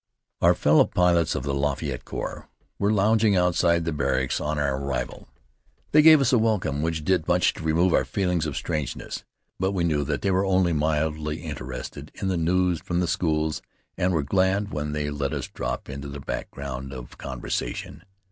Our fellow pilots of the Lafayette Corps were lounging outside the barracks on our arrival. They gave us a welcome which did much to remove our feelings of strangeness; but we knew that they were only mildly interested in the news from the schools and were glad when they let us drop into the background of conversation.